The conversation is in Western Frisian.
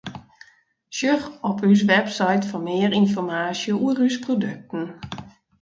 Sjoch op ús website foar mear ynformaasje oer ús produkten.